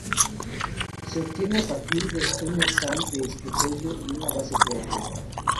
Se obtiene a partir de una sal de estroncio y una base fuerte.